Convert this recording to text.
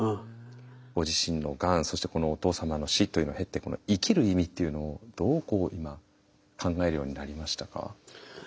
ご自身のがんそしてこのお父様の死というのを経て生きる意味っていうのをどうこう今考えるようになりましたか？